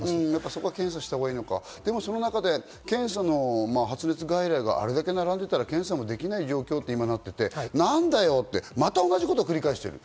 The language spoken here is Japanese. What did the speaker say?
そこは検査したほうがいいのか、発熱外来があれだけ並んでいたら検査もできない状況に今なっていて、何だよって、また同じことを繰り返してる。